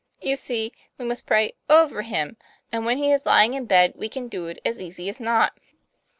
You see, we must pray over him; and when he is lying in bed, we can do it as easy as not.